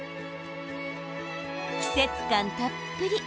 季節感たっぷり。